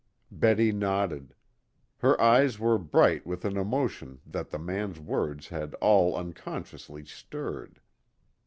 Betty nodded; her eyes were bright with an emotion that the man's words had all unconsciously stirred.